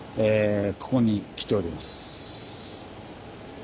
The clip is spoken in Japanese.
ここに来ております。